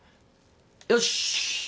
よし。